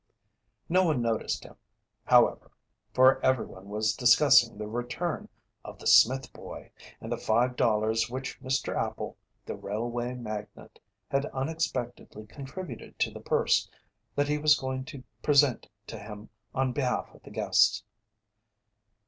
No one noticed him, however, for everyone was discussing the return of the "Smith boy," and the five dollars which Mr. Appel, the railway magnate, had unexpectedly contributed to the purse that he was going to present to him on behalf of the guests.